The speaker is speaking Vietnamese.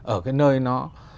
ở cái nơi nó